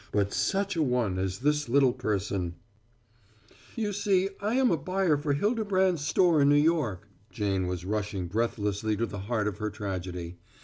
But such a one as this little person "You see, I am a buyer for Hildebrand's store in New York." Jane was rushing breathlessly to the heart of her tragedy.